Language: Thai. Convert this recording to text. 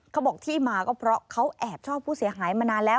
เขาบอกที่มาก็เพราะเขาแอบชอบผู้เสียหายมานานแล้ว